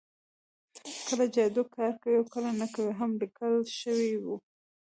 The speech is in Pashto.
کله جادو کار کوي او کله نه کوي هم لیکل شوي وو